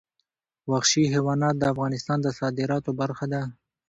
وحشي حیوانات د افغانستان د صادراتو برخه ده.